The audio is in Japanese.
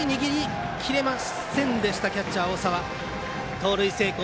盗塁成功。